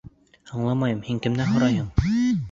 Аңламайым, һин кемдән һорайһың?